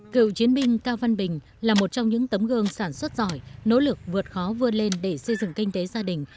cựu chiến binh cao văn bình là một trong những tấm gương sản xuất giỏi nỗ lực vượt khó vươn lên để xây dựng kinh tế gia đình